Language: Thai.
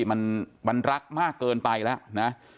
มันรักมากเกินไปแล้วนะ